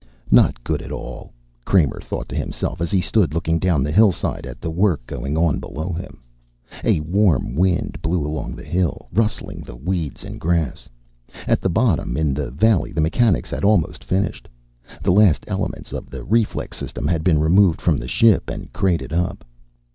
Not good at all, Kramer thought to himself, as he stood looking down the hillside at the work going on below him. A warm wind blew along the hill, rustling the weeds and grass. At the bottom, in the valley, the mechanics had almost finished; the last elements of the reflex system had been removed from the ship and crated up.